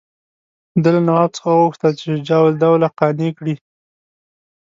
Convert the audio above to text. ده له نواب څخه وغوښتل چې شجاع الدوله قانع کړي.